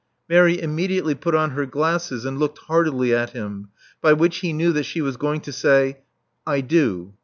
'' Mary immediately put on her glasses, and looked hardily at him, by which he knew that she was going to say I do."